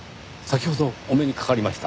先ほどお目にかかりました。